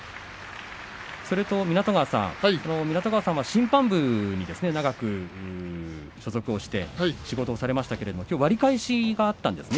それと湊川さん湊川さんは審判部に長く所属して仕事をされましたけれどもきょうは割り返しがありましたね。